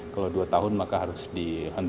kalau dua tahun maka harus dihentikan